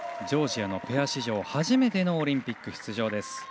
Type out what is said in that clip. ジョージアのペア史上初めてのオリンピック出場です。